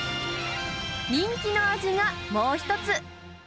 人気の味がもう１つ。